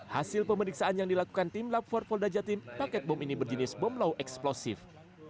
hasil pemeriksaan yang dilakukan tim lab empat voldaja team paket bom ini berjenis bom low explosive